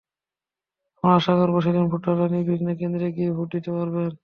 আমরা আশা করব, সেদিন ভোটাররা নির্বিঘ্নে কেন্দ্রে গিয়ে ভোট দিতে পারবেন।